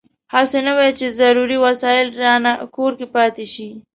هسې نه وي چې ضروري وسایل رانه کور کې پاتې شي.